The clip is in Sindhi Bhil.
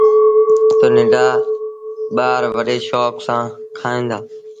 تا ننڍآ ٻآروڏي شوڪ سآݩ کائيٚݩ دآ۔